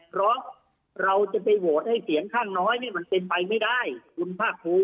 เพราะเราจะไปโหวตให้เสียงข้างน้อยนี่มันเป็นไปไม่ได้คุณภาคภูมิ